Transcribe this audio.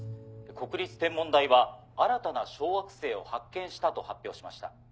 国立天文台は新たな小惑星を発見したと発表しました。